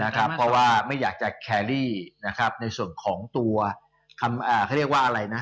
เพราะว่าไม่อยากจะแครรี่ในส่วนของตัวคำเขาเรียกว่าอะไรนะ